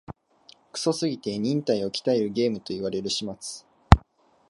クソすぎて忍耐を鍛えるゲームと言われる始末